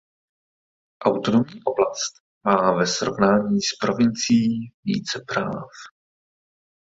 Autonomní oblast má ve srovnání s provincií více práv.